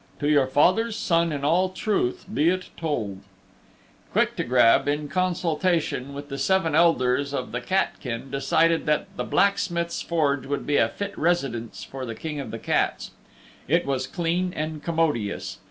To your father's Son in all truth be it told" Quick to Grab, in consultation with the Seven Elders of the Cat Kin decided that the Blacksmith's forge would be a fit residence for the King of the Cats. It was clean and commodious.